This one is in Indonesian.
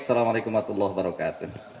assalamu'alaikum warahmatullahi wabarakatuh